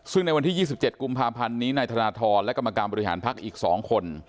ซึ่งในวันที่๒๗กุมภาพันธ์นี้นายธนทรและกรรมการบริหารพักอีก๒คน